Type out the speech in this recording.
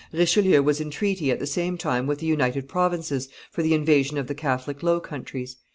Richelieu was in treaty at the same time with the United Provinces for the invasion of the Catholic Low Countries.